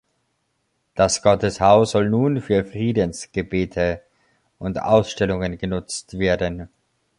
Das Gotteshaus soll nun für Friedensgebete und Ausstellungen genutzt werden.